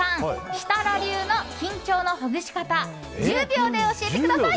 設楽流の緊張のほぐし方１０秒で教えてください！